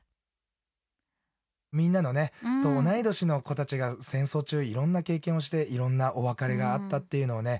みんなと同い年の子たちが戦争中いろんな経験をして、いろんなお別れがあったっていうのはね